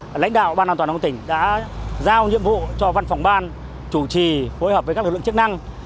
bàn an toàn giao thông tỉnh đã giao nhiệm vụ cho văn phòng ban chủ trì phối hợp với các lực lượng chức năng